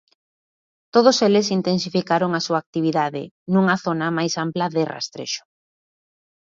Todos eles intensificaron a súa actividade nunha zona máis ampla de rastrexo.